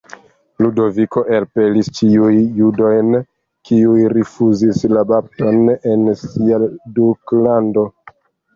Ludoviko elpelis ĉiuj judojn kiuj rifuzis la bapton en sia duklando.